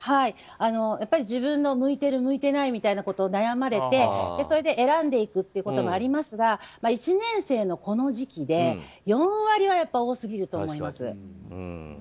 自分の向いている向いていないことで悩まれてそれで選んでいくということもありますが１年生のこの時期で４割はやっぱり多すぎると思います。